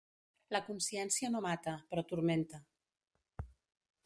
La consciència no mata, però turmenta.